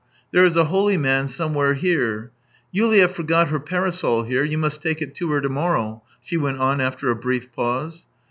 There is a holy man somewhere here. Yulia forgot her parasol here; you must take it to her to morrow," she went on after a brief pause.